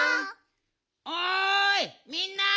・おいみんな！